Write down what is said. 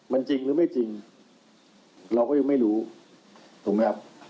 มันจริงหรือไม่จริงเราก็ยังไม่รู้ถูกไหมครับ